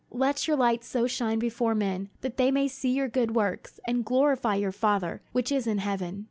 Let your light so shine before men, that they may see your good works, and glorify your Father which is in heaven."